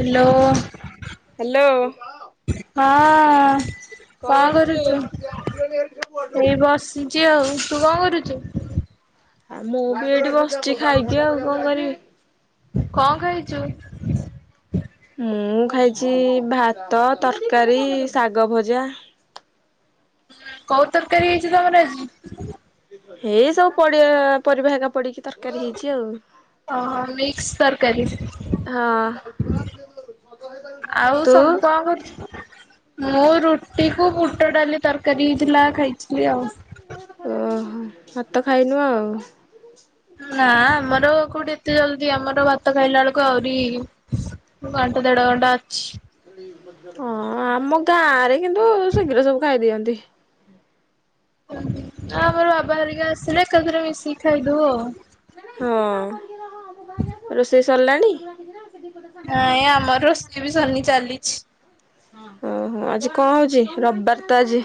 Hello ହଁ hello. ହଁ କଣ କରୁଛୁ, ଏଇ ବସିଛି ଆଉ ତୁ କଣ କରୁ ଛୁ। ଆଉ ମୁଁ ବି ଏଇଠି ବସିଛି ଖାଇକି ଆଉ କଣ କରିବି। କଣ ଖାଇଚୁ? ମୁଁ ଖାଇଛି ଭାତ ତରକାରୀ ଶାଗ ଭଜା। କୋଉ ତରକାରୀ ହେଇଛି ତମର ଆଜି। ଏଇ ସବୁ ପଡିଆ ପରିବା ହେକା ପଡିକି ତରକାରୀ ହେଇଛି ଆଉ। ଓ ହୋ ମିକ୍ସ ତରକାରୀ। ହଁ ଆଉ ତୁ। ସବୁ କଣ କରୁଛୁ? ମୁଁ ରୁଟି କୁ ବୁଟ ଡାଲି ତରକାରୀ ହେଇଥିଲା ଖାଇ ଓହୋ ଭାତ ଖାଇନୁ ଆଉ। ନା ଆମର କୋଉଠି ଏତେ ଜଲଦି ଆମର ଭାତ ଖାଇଲା ବେଳକୁ ଆହୁରି। ମୁଁ ଘଣ୍ଟା ଦେଢ ଘଣ୍ଟା ଅଛି ହଁ ଆମକୁ ଗାଁ ରେ କିନ୍ତୁ ଶୀଘ୍ର ସବୁ ଖାଇଦିଅନ୍ତି [inaudible] ହଁ ଆମର ବାବା ହେରିକା ଆସିଲେ। ଏକା ଥରେ ମିଶିକି ଖାଇ ଦଉ ହଁ ଚଲାଣି ନାଇଁ ଆମର ରୋଷେଇ ବି ସନି ଚାଲିଛି ଓହୋ ଆଜି କଣ ହଉଛି ରବିବାର ତ ଆଜି?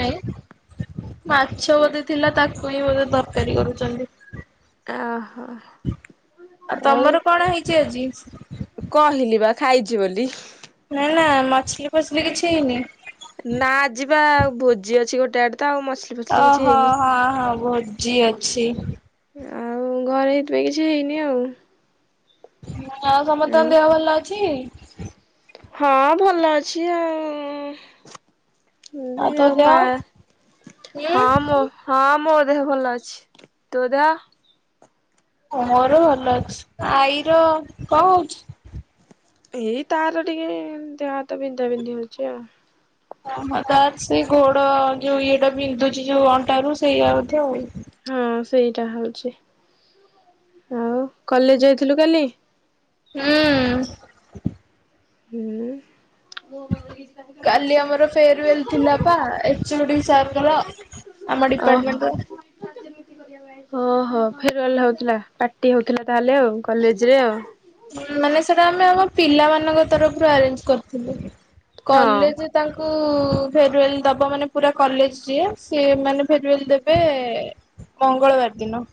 ନ ମାଛ ବୋଧେ ଥିଲା ତାକୁ ହିଁ ବୋଧେ ତରକାରୀ କରୁଛନ୍ତି ଓହୋ ଆଉ ତମର କଣ ହେଇଛି ଆଜି? କହିଲି ବା ଖାଇଛି ବୋଲି ନା ନା ମଛଲି ଫଛଲି କିଛି ହେଇନି ନା ଆଜି ପା ଭୋଜି ଅଛି ଗୋଟେ ଆଡେ ତ ଆଉ ମଛଲି ଫଛଲି କିଛି ଓହୋ ହେଇନି। ହଁ ହଁ ଭୋଜିି ଅଛି। ଆଉ ଘରେ ଏଇଥିପାଇଁ କିଛି ହେଇନି ଆଉ ହଉ ସମସ୍ତଙ୍କ ଦେହ ଭଲ ଅଛି ହଁ ଭଲ ଅଛି ଆଉ ଦି ତୋ ଆଉ ଦେହ? ମା ହଁ ହୁଁ ମୁ ହଁ ମୁ ମୋ ଦେହ ଭଲ ଅଛି ତୋ ଦେହ ମୋର ଭଲ ଅଛି ଆଈର କଣ ହଉଛି? ଏଇ ତାର ଟିକେ ଦେହ ହାତ ବିନ୍ଧା ବିନ୍ଧି ହଉଛି ଆଉ ତ ସେ ଗୋଡ ଯୋଉ ଇଏଟା ବିନ୍ଧୁଛି ଯୋଉ ଅଣ୍ଟା ରୁ ସେଇଆ ବୋଧେ ଆଉ ହଁ ସେଇଟା ହଉଛି ଆଉ କଲେଜ ଯାଇଥିଲୁ କାଲି ହୁଁ ହୁଁ କାଲି ଆମର ଫେରୱେଲ ଥିଲା ପା ଏଚଡି ସାରର୍ଙ୍କର ଆମର ଓହୋ। ଡିପାର୍ଟମେଣ୍ଟର ଓହୋ ଫେରୱଲ ହଉଥିଲା ପାର୍ଟି ହଉଥିଲା ତାହେଲେ ଆଉ କଲେଜରେ ଆଉ ମାନେ ସେଟା ଆମେ ଆମ ପିଲାମାନଙ୍କ ତରଫରୁ ଆରେଞ୍ଜ କରିଥିଲୁ। ହଁ। କଲେଜ ତାଙ୍କୁ ଫେରୟୋଲ ଦବ ମାନେ ପୁର କଲେଜ ସିଏ ସିଏ ମାନେଫେରୟାଲ ଦେବେ ମଙ୍ଗଳବାର ଦିନ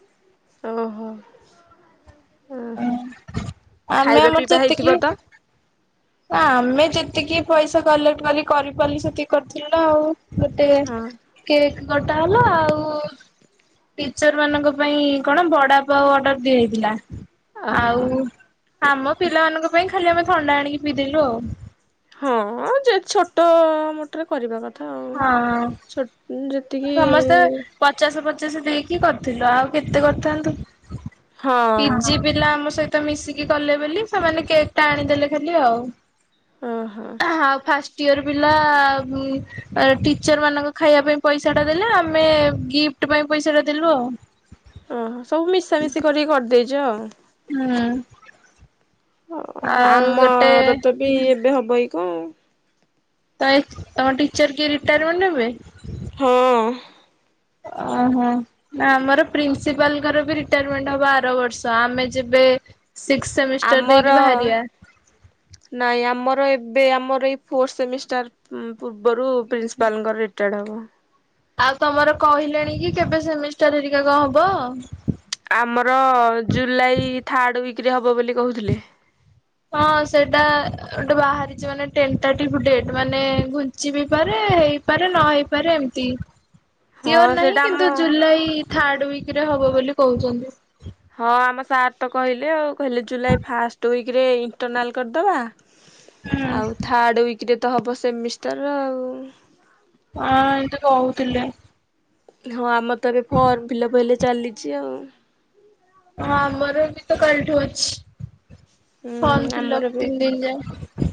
ଓ ହୋ ଓହୋ ଖାଇବା ପିଇବା ହେଇଥିବ ତ ନା ଆମେ ଯେତିକି ପଇସା କଲେକ୍ଟ କରି କରିପାରିଲୁ ସେତିକି କରିଥିଲୁ ନା ଆଉ ଗୋଟେ କେକ୍ ଗଟା ହେଲା ଆଉ ଟିଚର ମାନଙ୍କ ପାଇଁ କଣ ବଡା ପା ଅର୍ଡର ଦିଆଯାଇଥିଲା ଓହୋ ଆଉ ଆମ ପିଲାମାନଙ୍କ ପାଇଁ ଖାଲି ଆମେ ଥଣ୍ଡା ଆଣିକି ପିଇଦେଲୁ ଆଉ ହଁ ଯେ ଛୋଟ ମୋଟରେ କରିବା କଥା ଆଉ। ହଁ ଛୋ ଯେତିକି ସମସ୍ତେ ପଚାଶ ପଚା ଦେଇକି କରିଥିଲୁ ଆଉ କେତେ କରିଥାନ୍ତୁ ହଁ ପିଜି ପିଲା ଆମ ସହିତ ତ ମିଶିକି କଲେ ବୋଲି ସେମାନେ କେକ୍ ଟା ଆଣିଦେଲେ ଖାଲି ଆଉ। ଓହୋ। ଆଉ ଫାଷ୍ଟ ଇୟର ପିଲା ଉ ଚାପରେ ଟିଚର ମାନଙ୍କ ଖାଇବା ପାଇଁ ପଇସାଟା ଦେଲେ ଆମେ ଗିପ୍ଟ ପାଇଁ ପଇସାଟା ଦେଲୁ ଆଉ। ଓହୋ ସବୁ ମିଶାମିଶି କରିକି କରିଦେଇଛ ଆଉ। ହୁଁ‌। ଓହୋ ଆମର ତ ବି ଏବେ ହବ ଏଇ କଣ। ତ ଏ ତମ ଟିଚର କିଏ ରିଟାୟାରମେଣ୍ଟ ନେବେ। ହଁ। ଓହୋ ନା ଆମର ପ୍ରିନ୍ସିପାଲଙ୍କର ବି ରିଟାରମେଣ୍ଟ ହବ ଆର ବର୍ଷ ଆମେ ଯେବେ ବେ ଆମର ନାଇଁ ଆମର ଏ ବେ ଆମର ଏଇ ଫୋର୍ସ ସେମିଷ୍ଟାର ପୂର୍ବରୁ ପ୍ରିନ୍ସିପାଲଙ୍କର ରିଟାୟାର୍ଡ ହବ। ଆଉ ତମର କହିଲେଣି କି କେବେ ସେମିଷ୍ଟାରରିକାକ ହବ। ଆମର ଜୁଲାଇ ଥାର୍ଡ ୱିକରେ ହବ ବୋଲି କହୁଥିଲେ। ହଁ ସେଇଟା ଗୋଟେ ବାହାରିଚି ମାନେ ଟେନ୍ ତାଟିଫୁଡେଟ୍ ମାନେ ଘୁଞ୍ଚି ବି ପାରେ ହେଇପାରେ ନ ହେଇପାରେ ଏମିତି ହଁ ସିଓର ନାହିଁ ସେଇଟା କିନ୍ତୁ ଆମ ଜୁଲାଇ ଥାର୍ଡ ୱିକ ରେ ହବ ବୋଲି କହୁଛନ୍ତି। ହଁ ଆମ ସାର୍ ତ କହିଲେ ଆଉ କହିଲେ ଜୁଲାଇ ଫାଷ୍ଟ ିକରେ ଇଣ୍ଟରନାଲ କରିଦବା। ହୁଁ ଆଉ ଥାର୍ଡ ୱିକରେ ତ ହବ ସେମିଷ୍ଟାର ଆଉ। ହଁ ଏମିନ୍ତି କହୁଥିଲେ। ହଁ ଆମର ତ ଏବେ ଫର୍ମ ଫିଲବ୍ ହେଲେ ଚାଲିଚି ଆଉ। ହଁ ଆମୋର ବି ତ କାଲିଠୁ ଅଛି। ହୁଁ ବଦ୍ଦଥିଲା ଆମର ବି ତିନି ଦିନି ଯାଏ।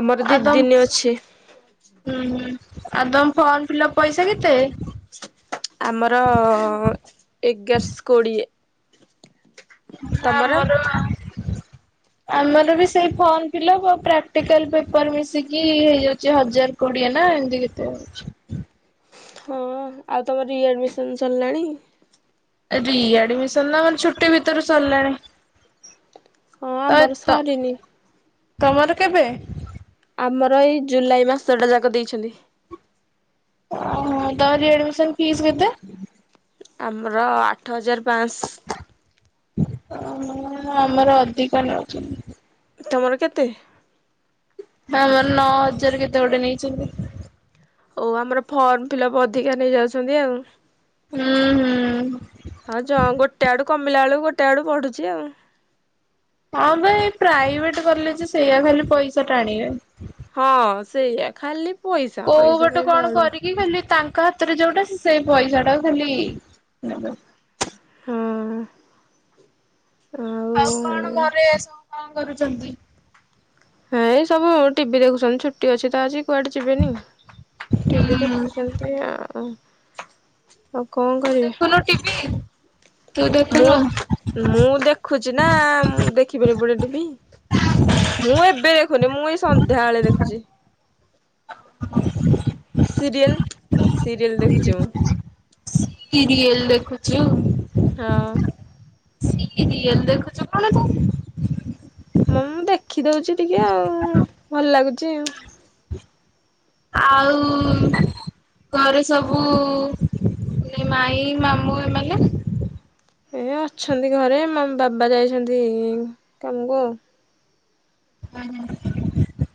ଆମର ଆଉ ତମ ଦିଦିନୀ ଅଛି। ହୁଁ ହୁଁ ଆଉ ତମ ଫର୍ମ ଫିଲଅପ ପଇସା କେତେ। ଆମର ଅ, ଅ, ଏଗାରଶ କୋଡ଼ିଏ। ହଁ ତମର? ଆମର ଆମର ବି ସେଇ ଫର୍ମ ଫିଲଅପ ଆ ପ୍ରାକ୍ଟିକାଲ ପେପର୍ ମିଶିକି ହେଇଯାଉଚି ହଜାର କୋଡ଼ିଏ ନା ଏମିତି କେତେ ଅଛି। ହଁ ଆଉ ତମର ରି ଆଡ଼ମିଶନ୍ ସରିଲାଣି। ରି ଆଡମିଶନ୍ ତ ଛୁଟି ଭିତରୁ ସରିଲାଣି। ହଁ ତ ଆମର ତ ସରିନୀ। ତମର କେବେ। ଆମର ଏଇ ଜୁଲାଇ ମାସଟା ଯାକ ଦେଇଛନ୍ତି। ଓହୋ ତମ ରି ଆଡ଼ମିଶନ୍ ଫିସ୍ କେତେ। ଆମର ଆଠ ହଜାର ପାସ୍। ଆମର ଆମର ଅଧିକ ନଉଛନ୍ତି। ତମର କେତେ। ଆମର ନଅ ହଜାର କେତେ ଗୋଟେ ନେଇଛନ୍ତି। ଓ ଆମର ଫର୍ମ ଫିଲପ୍ ଅଧିକା ନେଇ ଯାଉଛନ୍ତି ଆଉ। ହୁଁ ହୁଁ। ହଁ ଯ ଗୋଟେ ଆଡ଼ୁ କମିଲା ବେଳୁ ଗୋଟେ ଆଡ଼ୁ ବଢ଼ୁଚି ଆଉ। ହଁ ଭାଇ ଏ ପ୍ରାଇଭେଟ୍ କଲେଜ୍ ସେଇଆ ଖାଲି ପଇସା ଟା ଆଣିବେ। ହଁ ସେଇଆ ଖାଲି ପଇସା କୋଉ ପଇସା ପଟେ ପାଇଁ କଣ ବାଉଳ କରିକି ଖାଲି ତା ଙ୍କ ହାତରେ ଯୋଉଟା ସେ ପଇସା ଟା ଖାଲି ନେବେ। ହୁଁ। ଆଉ କଣ ଘରେ ସବୁ କଣ କରୁଛନ୍ତି। ହେଇ ସବୁ ଟିଭି ଦେଖୁଛନ୍ତି ଛୁଟି ଅଛି ତ ଆଜି କୁଆଡ଼େ ଯିବେନି। ଟିଭିି ହୁଁ ଦେଖୁଛନ୍ତି ଆଉ। ଆଉ କଣ ତୁ କରିବେ ଦେଖୁନୁ ଟିଭିି? ମୁଁ ମୁଁ ଦେଖୁଛି ନା ମୁ ଦେଖିବିନି ପୁଣି ଟିଭି। ମୁଁ ଏବେ ଦେଖୁନି ମୁଁ ଏଇ ସନ୍ଧ୍ୟାବେଳେ ଦେଖୁଛି। ସିରିଏଲ୍। ସିରିଏଲ୍ ଦେଖୁଛି ମୁଁ। ସିରିଏଲ ଦେଖୁଛୁ। ହଁ। ସିରିଏଲ୍ ଦେଖୁଛୁ କଣ ମୁଁ ମୁଁ ଦେଖିଦଉଛି ଟିକେ ଆଉ ଭଲ ଲାଗୁଛି। ଆଉ ଘରେ ସବୁ ମାଇଁ ମାମୁଁ ଏମାନେ? ଏ ଅଛନ୍ତି ଘରେ ବାବା ଯାଇଛନ୍ତି କାମକୁ ଆଉ। [unintelligible]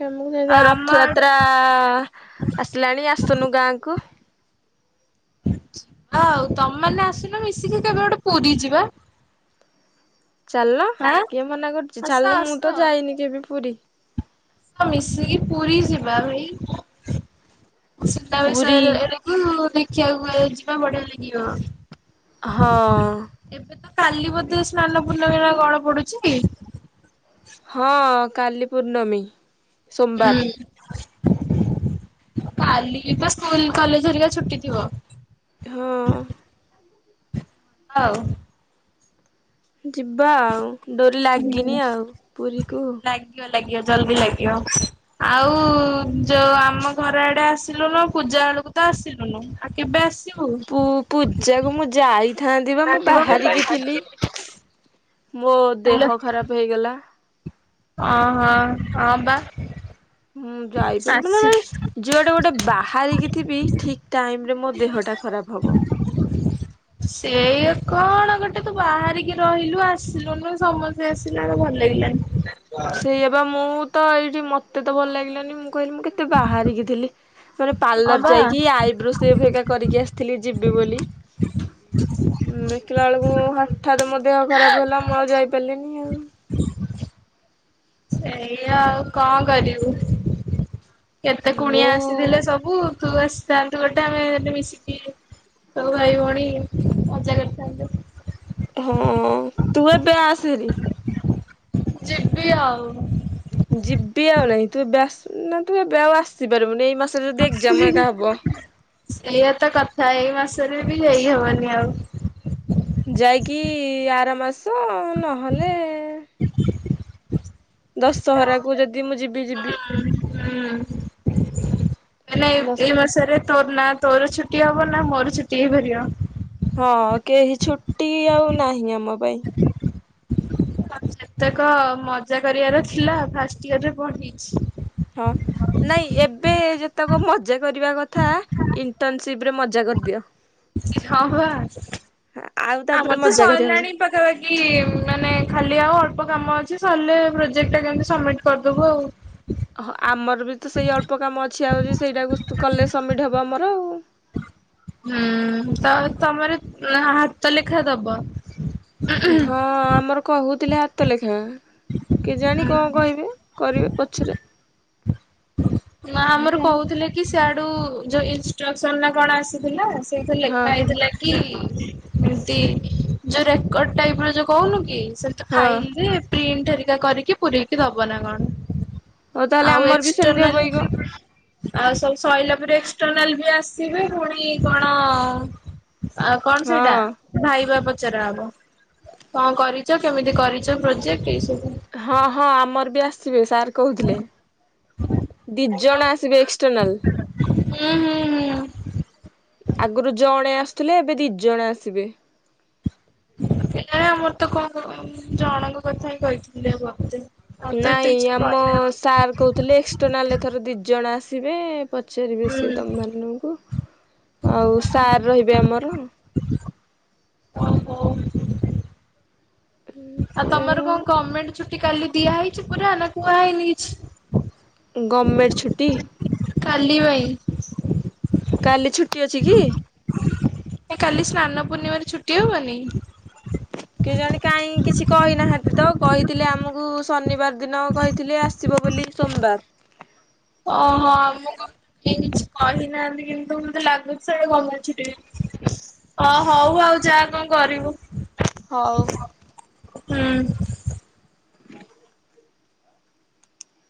କାମକୁ ଯା ଆମ ଆଡେ ରଥଯାତ୍ରା ଆସିଲାଣି ଆସୁନୁ ଗାଁ କୁ। ଆଉ ତମେମାନେ ଆସୁନ ମିଶିକି କେବେ ଗୋଟେ ପୁରୀ ଯିବା। ଚାଲୁନ ଆଁ କିଏ ମନା କରୁଛି ଆସ ଚାଲ ଆସ। ମୁଁ ତ ଯାଇନି କେବେ ପୁରୀ। ମିଶିକି ପୁରୀ ଯିବା [unintelligible] ସୁନାବେଶ ପୁରୀ ଏ ଏଡ଼କୁ ଦେଖିବାକୁ ଯିବା ବଢ଼ିଆ ଲାଗିବ। ହଁ। ଏବେ ତ କାଲି ବୋଧେ ସ୍ନାନ ପୂର୍ଣ୍ଣମୀ ନା କଣ ପଡୁଛି? ହଁ କାଲି ପୂର୍ଣ୍ଣମୀ। ସୋମବାର ହୁଁ। କାଲି ବା ସ୍କୁଲ କଲେଜ ହେରିକା ଛୁଟି ଥିବ। ହୁଁ। ହଉ। ଯିବା ଆଉ ଡୋରି ହୁଁ। ଲାଗିନି ଆଉ ପୁରୀକୁ। ଲାଗିବ ଲାଗିବ ଜଲଦି ଲାଗିବ ଆଉ ଯୋଉ ଆମ ଘର ଆଡ଼େ ଆସିଲୁନି ପୂଜା ବେଳକୁ ତ ଆସିଲୁନୁ ଆଉ କେବେ ଆସିବୁ? ପୂଜା କୁ ମୁଁ ଯାଇ ଥାନ୍ତି ବା ମୁଁ ହାଲୋ ବାହାରିକି ଥିଲି ମୋ ଦେହ ଖରାପ ହେଇଗଲା। ଓ ହଁ ହ ବା। ହୁଁ ଯାଇପାରିବି ନା ଆସି ନାଇଁ ଯୁଆଡ଼େ ଗୋଟେ ବାହାରିକି ଥିବି ଠିକ୍ ଟାଇମ୍ ରେ ମୋ ଦେହ ଟା ଖରାପ ହବ। ସେଇ କଣ ଗୋଟେ ତୁ ବାହାରିକି ରହିଲୁ ଆସିଲୁୁନୁ ସମସ୍ତେ ଆସିଲାଲୁ ଭଲ ଲାଗିଲାନି। ସେଇଆ ବା ମୁଁ ତ ଏଇଠି ମତେ ତ ଭଲ ଲାଗିଲାନି ମୁଁ କହିଲି ମୁଁ କେତେ ବାହାରିକି ଥିଲି ମାନେ ହଁ ପାର୍ଲର ବା। ଯାଇକି ଆଇବ୍ରୋ ସେଫ୍ ହେଇକା କରିକି ଆସିଥିଲି। ଯିବି ବୋଲି ଦେଖିଲା ବେଳକୁ ହଠାତ୍ ମୋ ଦେହ ଖରାପ ହେଲା ମୁଁ ଆଉ ଯାଇପାରିଲିନି ଆଉ ଏଇଆ ଆଉ କଣ କରିବୁ କେତେ କୁଣିଆ ମୁଁ ଆସିଥିଲେ ସବୁ ତୁ ଆସିଥାନ୍ତୁ ଗୋଟେ ଆମେ ମିଶିକି ସବୁ ଭାଇ ଭଉଣୀ ମଜା କରିଥାନ୍ତେ। ହଁ ତୁ ଏବେ ଆସେ ହେରି। ଯିବି ଆଉ ଯିବି ଆଉ ନାଇଁ ତୁ ଏବେ ଆସ୍ ନା ତୁ ଏବେ ଆଉ ଆସିପାରିବୁନି ଏଇ ମାସ ଏଇଆ ତ କଥା ଏଇ ମାସ୍ ରେ ବି ଯାଇ ହବନି ଆଉ ଯାଇକି ଆର ମାସ ନହେଲେ ଦଶହରାକୁ ଯଦି ମୁଁ ଯିବି ଯିବି। ନାଇଁ ଦଶ ଏପ୍ରିଲ୍ ମାସରେ ତୋ ନା ତୋର ଛୁଟି ହବ ନା ମୋର ଛୁଟି ହେଇପାରିବ। ହଁ କେହି ଛୁଟି ଆଉ ନାହିଁ, ଆମ ପାଇଁ। ଯେତେକ ମଜା କରିବାର ଥିଲା ଫାଷ୍ଟ ଇୟରରେ ପଢିଛି। ହଁ ନାଇଁ ଏବେ ଯେତେକ ମଜା କରିବା କଥା ଇଣ୍ଟର୍ନସିପରେ ମ ମଜା କରଦିଅ। ହଁ ବା ଆଉ ତାପରେ ଆମର ତ ମଜା କରିହବନି। ସରିଲାଣି ପାଖାପାଖି ମାନେ ଖାଲି ଆଉ ଅଳ୍ପ କାମ ଅଛି ସରିଲେ ପ୍ରୋଜେକ୍ଟ ଟା କେମତି ସବମିଟ୍ କରିଦବୁ ଆଉ। ହଁ ଆମର ବି ତ ସେଇ ଅଳ୍ପ କାମ ଅଛି ଆଉଛି ସେଇଟାକୁ କଲେ ସବମିଟ୍ ହବ ଆମର ଆଉ। ହୁଁ ତ ତମର ହାତ ଲେଖା ଦବ। ହଁ ଆମର କହୁଥିଲେ ହାତ ଲେଖା। କେଜାଣି କଣ କହିବେ କରିବେ ପଛରେ। ନା ଆମର କହୁଥିଲେ କି ସିଆଡୁ ଯୋଉ ଇନଷ୍ଟ୍ରକ୍ସନ ନା କଣ ଆସିଥିଲା ସେଇଥିରେ ହଁ ଲେଖା ହେଇଥିଲା କି ଏମତି ଯୋଉ ରେକର୍ଡ ଟାଇପର ଯୋଉ କହୁନୁ କି ସେମିତି ହଁ। ଫାଇଲରେ ପ୍ରିଣ୍ଟ ହେରିକା କରିକି ପୁରେଇକି ଦବ ନା କଣ। ହଉ ତାହେଲେ ଆମର ବି ସ ଇଣ୍ଟରନାଲ ଆଉ ସବୁ ସରିଲା ପରେ ଏକ୍ସର୍ଟନାଲ ବି ଆସିବେ ପୁଣି କଣ ଆଉ କଣ ହଁ ସେଇଟା ଭାଇବା ପ ପଚରା ହବ କଣ କରିଚ କେମିତି କରିଚ ପ୍ରୋଜେକ୍ଟ ଏଇସବୁ ହଁ ହଁ ଆମର ବି ଆସିବେ ସାର୍ କହୁଥିଲେ। ଦି ତ ଜଣ ଆସିବେ ଏକ୍ସଟର୍ନାଲ। ହୁଁ ହୁଁ ହୁଁ ଥିଲେ ଏବେ ଦିଜଣ ଆସିବେ। ନାଇଁ ଆମର ତ କଣ କ ଜଣଙ୍କ କଥା ହିଁ କହିଥିଲି ମତେ। ନାଇଁ ଆମ ସାର୍ କହୁଥିଲେ ଏକ୍ସଟର୍ନାଲ ଏଥର ଦିଜଣ ଆସିବେ, ପ ପଚାରିବେ ସିଏ ହୁଁ ତମ ମାନଙ୍କୁ ଆଉ ସାର୍ ରହିବେ ଆମର। ଓହୋ। ଆଉ ସେ ତମର କଣ ଗମେଣ୍ଟ ଛୁଟି କାଲି ଦିଆ ହେଇଚି ପୁରା, ନା କୁହା ହେଇନି କିଛି? ଗଭର୍ଣମେଣ୍ଟ ଛୁଟି କାଲିି ବାଇ। କାଲି ଛୁଟି ଅଛି କି? ଏ କାଲି ସ୍ନାନ ପୂର୍ଣ୍ଣିମାରେ ଛୁଟି ହବନି। କେଜାଣି କାଇଁ କିଛି କହିନାହାନ୍ତି ତ କହିଥିଲେ ଆମ କୁ ଶନିବାର ଦିନ କହିଥିଲେ ଆସିବ ବୋଲି ସୋମବାର। ଓହୋ ଆମର ତ କିଛି କହିନାହାନ୍ତି କିନ୍ତୁ ମତେ ଲାଗୁଛି ସେ ଗମେଣ୍ଟ ଛୁଟି ଅ ହଉ ଆଉ ଯା କଣ କରିବୁ। ହଉ। ହୁଁ।